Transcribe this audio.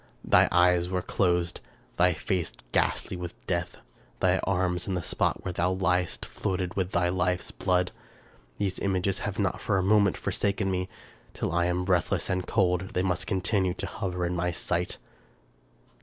Thy eyes were closed — thy face ghastly with death — thy arms, and the spot where thou lyedst, floated in thy life's blood! These images have not for a moment forsaken me. Till I am breathless and cold, they must continue to hover in my sight.